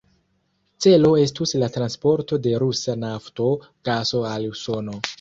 Celo estus la transporto de rusa nafto, gaso al Usono.